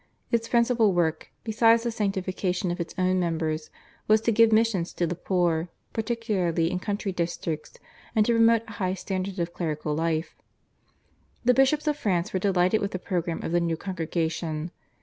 Its principal work, besides the sanctification of its own members, was to give missions to the poor particularly in country districts, and to promote a high standard of clerical life. The bishops of France were delighted with the programme of the new congregation.